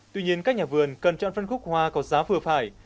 tuy nhiên các nhà vườn cần chọn phân khúc hoa có giá vừa phải